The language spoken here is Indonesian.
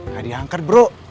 gak diangkat bro